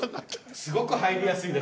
すごく入りやすいです。